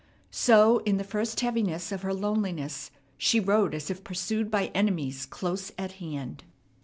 So in the first heaviness of her loneliness she rode as if pursued by enemies close at hand.